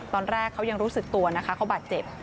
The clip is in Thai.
ตอนแรกเขายังรู้สึกตัวนะคะเขาบาดเจ็บ